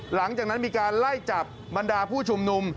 หลังจากนั้นมีการไล่จับบรรดาผู้ชุมนุม